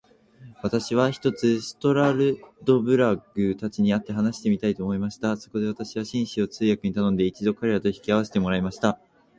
私は、ひとつストラルドブラグたちに会って話してみたいと思いました。そこで私は、紳士を通訳に頼んで、一度彼等と引き合せてもらいました。